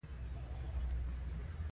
یا د ټولنیز منزلت له پلوه وي.